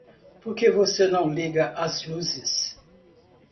Por que você não liga as luzes?